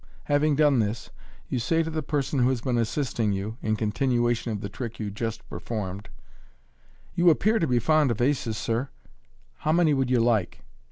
Having done this, you say to the person who has been assisting you (in continuation of the trick you have just performed), " You appear to be fond of aces, sir. How many would you like?'